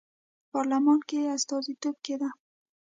په پارلمان کې یې استازیتوب کېده.